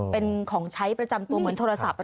เป็นของใช้ประจำตัวเหมือนโทรศัพท์